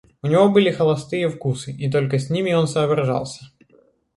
У него были холостые вкусы, и только с ними он соображался.